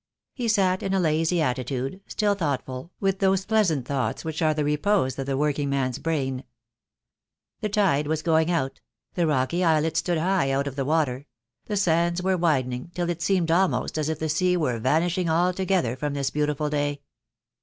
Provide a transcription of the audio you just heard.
He sat in a lazy attitude, still thoughtful, with those pleasant thoughts which are the repose of the working man's brain. The tide was going out; the rocky islets stood high out of the water; the sands were widening, till it seemed almost as if the sea were vanishing altogether from this beautiful bay.